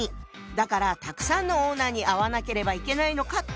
だからたくさんのオーナーに会わなければいけないのかって